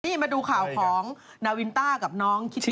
นี่มาดูข่าวของนาวินต้ากับน้องคิชิ